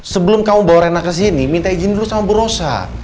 sebelum kamu bawa rena kesini minta izin dulu sama bu rosa